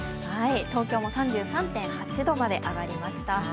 東京も３３．８度まで上がりました。